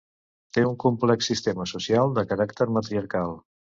Té un complex sistema social de caràcter matriarcal.